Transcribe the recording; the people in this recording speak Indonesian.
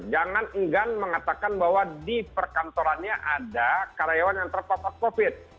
jangan enggan mengatakan bahwa di perkantorannya ada karyawan yang terpapar covid